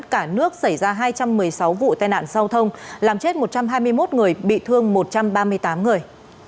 cả nước xảy ra hai trăm một mươi sáu vụ tai nạn giao thông làm chết một trăm hai mươi một người bị thương một trăm ba mươi tám người